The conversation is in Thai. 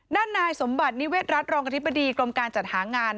ด้านนายสมบัตินิเวศรัฐรองอธิบดีกรมการจัดหางาน